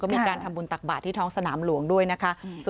มีการทำบุญตักบาทที่ท้องสนามหลวงด้วยนะคะ